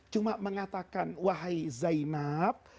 cuma mengatakan wahai zainab